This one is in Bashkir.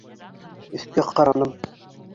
Өҫкә ҡараным.